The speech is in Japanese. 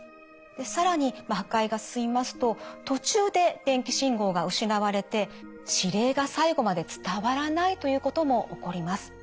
更に破壊が進みますと途中で電気信号が失われて指令が最後まで伝わらないということも起こります。